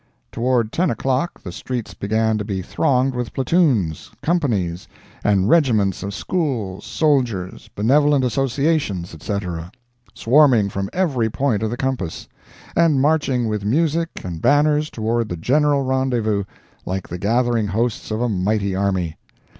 Toward ten o'clock the streets began to be thronged with platoons, companies and regiments of schools, soldiers, benevolent associations, etc., swarming from every point of the compass, and marching with music and banners toward the general rendezvous, like the gathering hosts of a mighty army.